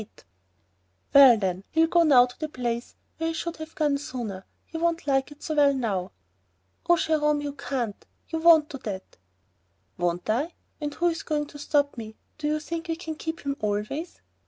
"Eight." "Well then, he'll go now to the place where he should have gone sooner, and he won't like it so well now." "Oh, Jerome, you can't ... you won't do that!" "Won't I? and who's going to stop me? Do you think we can keep him always?"